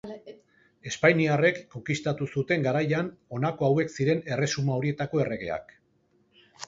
Espainiarrek konkistatu zuten garaian, honako hauek ziren erresuma horietako erregeak.